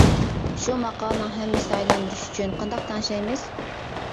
شۇ ماقالىنىڭ ھەممىسىنى ئايلاندۇرۇش ئۈچۈن قانداق تەڭشەيمىز.